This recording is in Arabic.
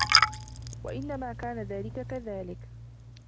وَإِنَّمَا كَانَ ذَلِكَ كَذَلِكَ